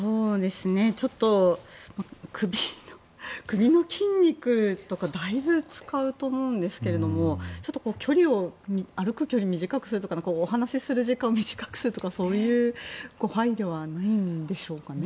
ちょっと首の筋肉とかだいぶ使うと思うんですけれども歩く距離を短くするとかお話しする時間を短くするとかそういう配慮はないんでしょうかね。